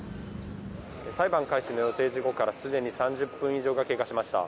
裁判開始の予定時刻からすでに３０分以上が経過しました。